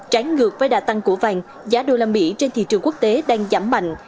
tránh ngược với đạt tăng của vàng giá usd trên thị trường quốc tế đang giảm mạnh